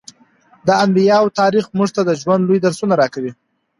د انبیاوو تاریخ موږ ته د ژوند لوی درسونه راکوي.